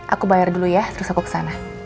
aku bayar dulu ya terus aku ke sana